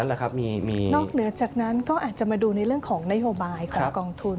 นอกเหนือจากนั้นก็อาจจะมาดูในเรื่องของนโยบายของกองทุน